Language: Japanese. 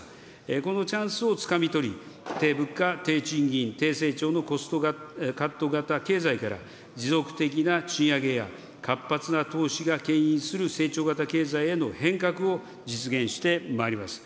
このチャンスをつかみ取り、低物価、低賃金、低成長のコストカット型経済から、持続的な賃上げや、活発な投資がけん引する成長型経済への変革を実現してまいります。